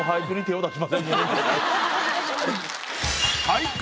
俳句